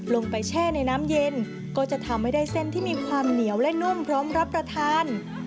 แช่ในน้ำเย็นก็จะทำให้ได้เส้นที่มีความเหนียวและนุ่มพร้อมรับประทาน